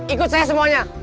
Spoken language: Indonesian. ikut saya semuanya